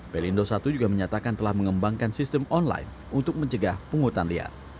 pelindo i juga menyatakan telah mengembangkan sistem online untuk mencegah penghutan liar